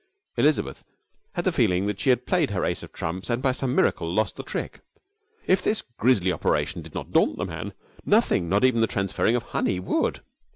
Elizabeth had the feeling that she had played her ace of trumps and by some miracle lost the trick. If this grisly operation did not daunt the man, nothing, not even the transferring of honey, would.